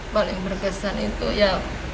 paling berkesan itu ya